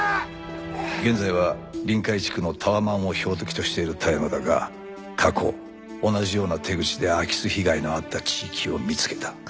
現在は臨海地区のタワマンを標的としている田山だが過去同じような手口で空き巣被害のあった地域を見つけた。